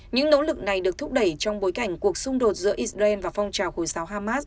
những nỗ lực này được thúc đẩy trong bối cảnh cuộc xung đột giữa israel và phong trào hồi giáo hamas